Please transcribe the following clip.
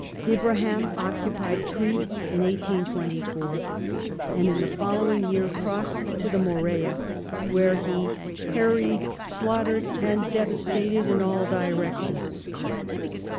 Ibrahim occupied Crete in 1824, and in the following year crossed to the Morea, where he " harried, slaughtered, and devastated in all directions".